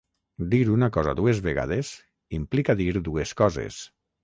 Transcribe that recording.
Dir una cosa dues vegades implica dir dues coses.